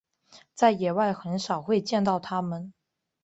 在野外很少会见到它们。